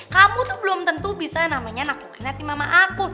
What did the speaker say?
kamu tuh belum tentu bisa naklukin hati mama aku